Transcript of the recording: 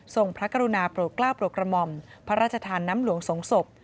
พระกรุณาโปรดกล้าโปรดกระหม่อมพระราชทานน้ำหลวงสงศพ